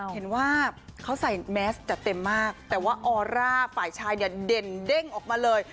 เห็นว่าเขาใส่แมสจัดเต็มมากแต่ว่าออร่าฝ่ายชายเนี่ยเด่นเด้งออกมาเลย